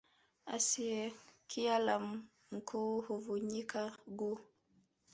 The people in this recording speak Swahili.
Asiyekia la Mkuu Huvunyika Guu